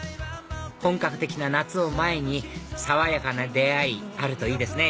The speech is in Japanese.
本格的な夏を前に爽やかな出会いあるといいですね